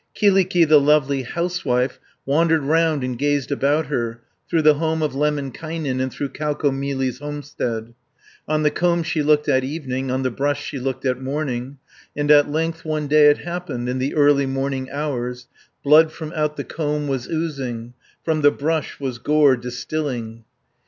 Kyllikki, the lovely housewife, Wandered round and gazed about her, 20 Through the home of Lemminkainen, And through Kaukomieli's homestead; On the comb she looked at evening, On the brush she looked at morning, And at length one day it happened, In the early morning hours, Blood from out the comb was oozing, From the brush was gore distilling.